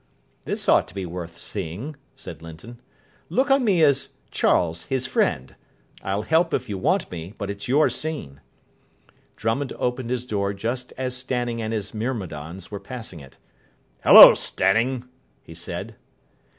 "This ought to be worth seeing," said Linton. "Look on me as 'Charles, his friend'. I'll help if you want me, but it's your scene." Drummond opened his door just as Stanning and his myrmidons were passing it. "Hullo, Stanning," he said.